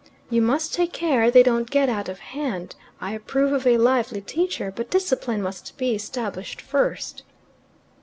"You must take care they don't get out of hand. I approve of a lively teacher, but discipline must be established first."